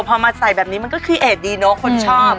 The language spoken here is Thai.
พอมาใส่แบบนี้มันก็คือเอดดีเนอะคนชอบ